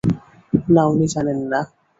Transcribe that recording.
না, উনি জানেন না।